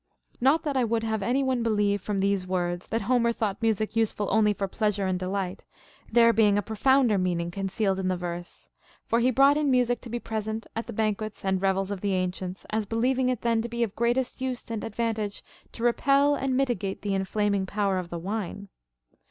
* Not that I would have any one believe from these words, that Homer thought music useful only for pleasure and delight, there being a profounder meaning concealed in the verse. For he brought in music to be present at the ban quets and revels of the ancients, as believing it then to be of greatest use and advantage to repel and mitigate the inflaming power of the wine.